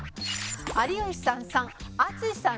有吉さん３淳さん